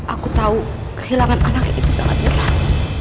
aku tahu kehilangan anak itu sangat berat